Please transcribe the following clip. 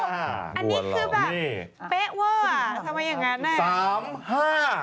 อันนี้คือแบบเป๊ะเวอร์อ่ะทำไมอย่างนั้นอ่ะ